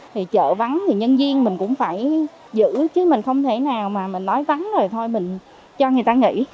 thì chợ vắng thì nhân viên mình cũng phải giữ chứ mình không thể nào mà mình nói vắng rồi thôi mình cho người ta nghỉ